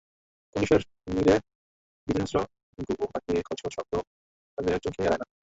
কর্নিশের নীড়ে ভীতসন্ত্রস্ত ঘুঘু পাখির খচখচ শব্দ তাদের চোখ এড়ায় না।